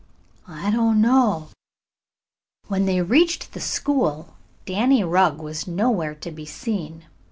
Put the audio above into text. "I don't know." When they reached the school Danny Rugg was nowhere to be seen.